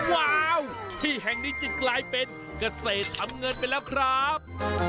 ว้าวที่แห่งนี้จึงกลายเป็นเกษตรทำเงินไปแล้วครับ